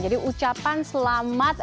jadi ucapan selamat